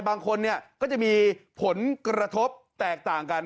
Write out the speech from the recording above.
บางคนก็จะมีผลกระทบแตกต่างกัน